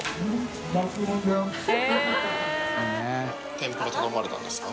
天ぷら頼まれたんですか？